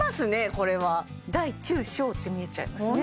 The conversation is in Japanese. これは大中小って見えちゃいますね